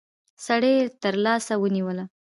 سړي تر لاس ونيوله.